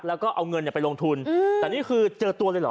แล้วก็เอาเงินไปลงทุนแต่นี่คือเจอตัวเลยเหรอ